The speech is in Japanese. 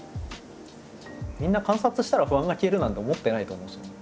みんな観察したら不安が消えるなんて思ってないと思うんですよね。